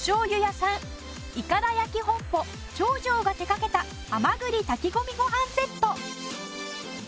いかだ焼本舗正上が手掛けた蛤炊き込みご飯セット。